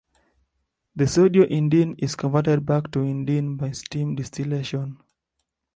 The sodio-indene is converted back to indene by steam distillation.